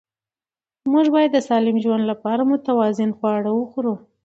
موږ باید د سالم ژوند لپاره متوازن خواړه وخورو